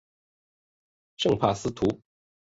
圣帕斯图。